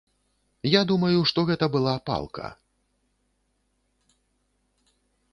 Я думаю, што гэта была палка.